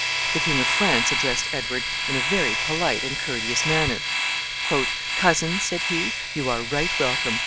The King of France addressed Edward in a very polite and courteous manner. "Cousin," said he, "you are right welcome.